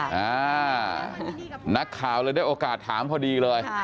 นักข่าวเลยได้โอกาสถามพอดีเลย